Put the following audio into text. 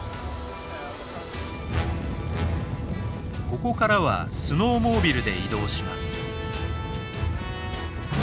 ここからはスノーモービルで移動します。